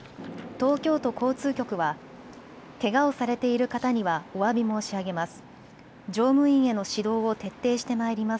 東京都交通局はけがをされている方にはおわび申し上げます。